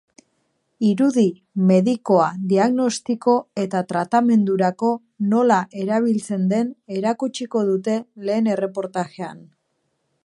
Irudi medikoa diagnostiko eta tratamendurako nola erabiltzen den erakutsiko dute lehen erreportajean.